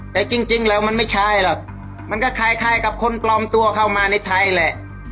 แต่จริงแล้วมันไม่ใช่หรอกมันก็คล้ายกับคนปลอมตัวเข้ามาในไทยแหละ